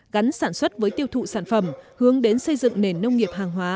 gắn sản xuất với tiêu thụ sản phẩm hướng đến xây dựng nền nông nghiệp hàng hóa